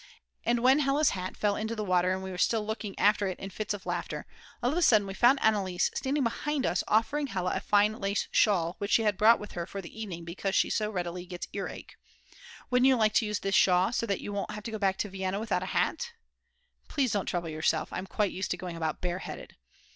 And when Hella's hat fell into the water and we were still looking after it in fits of laughter, all of a sudden we found Anneliese standing behind us offering Hella a fine lace shawl which she had brought with her for the evening because she so readily gets earache. "Wouldn't you like to use this shawl, so that you won't have to go back to Vienna without a hat?" "Please don't trouble yourself, I'm quite used to going about bare headed."